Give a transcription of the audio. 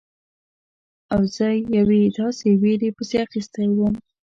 او زه یوې داسې ویرې پسې اخیستی وم.